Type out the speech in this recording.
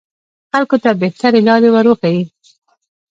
خلکو ته بهترې لارې وروښيي